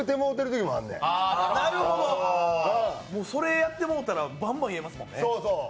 それやってもうたらバンバン言えますもんね。